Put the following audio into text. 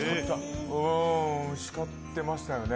叱ってましたよね。